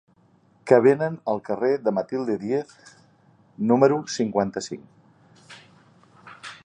Què venen al carrer de Matilde Díez número cinquanta-cinc?